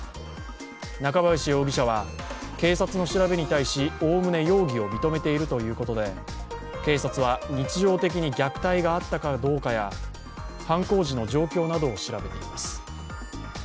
中林容疑者は警察の調べに対し、おおむね容疑を認めているということで警察は日常的に虐待があったかどうかや犯行時の状況などを調べています。